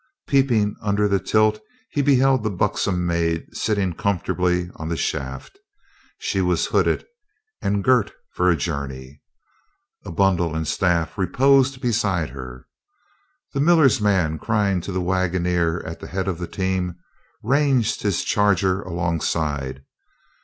Peeping under the tilt he beheld that buxom maid sitting comfortably on the shaft. She was hooded and girt for a journey. A bundle and staff reposed beside her. The miller's man, crying to the wa goner at the head of the team, ranged his charger alongside.